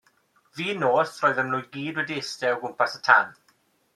Fin nos roedden nhw i gyd wedi eistedd o gwmpas y tân.